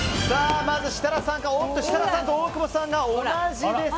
設楽さんと大久保さんが同じです。